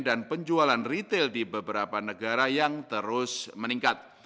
dan penjualan retail di beberapa negara yang terus meningkat